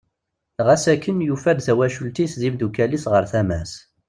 Ɣas akken yufa-d tawacult-is d yimddukal-is ɣer tama-s.